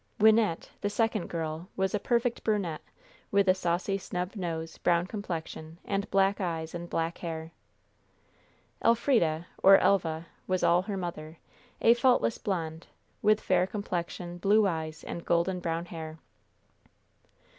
Wynnette, the second girl, was a perfect brunette, with a saucy snub nose, brown complexion, and black eyes and black hair. Elfrida, or Elva, was all her mother a faultless blonde with fair complexion, blue eyes, and golden brown hair.